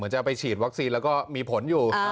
จะไปฉีดวัคซีนแล้วก็มีผลอยู่